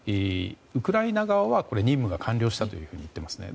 ウクライナ側は任務が完了したといっていますね。